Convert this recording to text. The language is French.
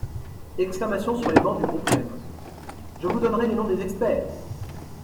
(Exclamations sur les bancs du groupe REM.) Je vous donnerai les noms des experts.